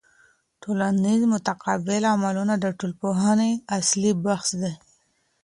ټولنیز متقابل عملونه د ټولنپوهني اصلي بحث دی.